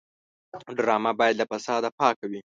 ډرامه باید له فساد پاکه وي